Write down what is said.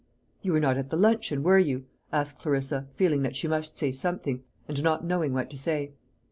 "You were not at the luncheon, were you?" asked Clarissa, feeling that she must say something, and not knowing what to say.